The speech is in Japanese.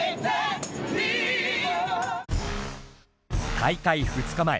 大会２日前。